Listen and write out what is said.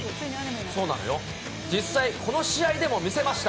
そうなのよ、実際、この試合でも見せました。